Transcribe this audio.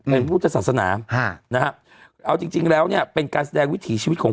เป็นพุทธศาสนาเอาจริงแล้วเนี่ยเป็นการแสดงวิถีชีวิตของ